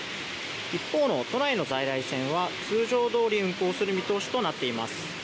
一方の都内の在来線は通常どおり運行する見通しとなっています。